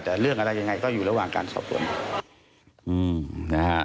แต่เรื่องอะไรยังไงก็อยู่ระหว่างการสอบสวนนะฮะ